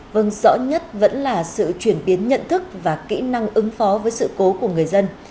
vâng rõ nhất vẫn là sự chuyển biến nhận thức và kỹ năng ứng phó với sự cố của người dân